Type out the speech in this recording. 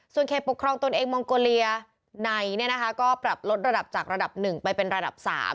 ส่วนเขตปกครองตนเองมองโกเลียในก็ปรับลดระดับจากระดับ๑ไปเป็นระดับ๓